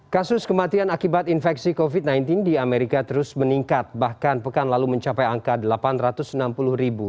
kasus kematian akibat infeksi covid sembilan belas di amerika terus meningkat bahkan pekan lalu mencapai angka delapan ratus enam puluh ribu